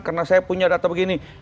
karena saya punya data begini